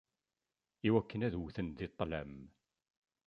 Iwakken ad wten di ṭṭlam.